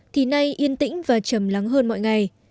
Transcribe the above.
thì nay yên tĩnh và chầm lắng hơn mọi ngày